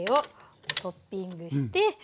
トッピングして。